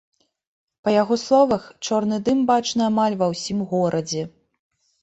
Па яго словах, чорны дым бачны амаль ва ўсім горадзе.